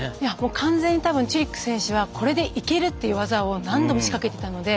完全に多分チェリック選手はこれで行けるという技を何度も仕掛けていたので。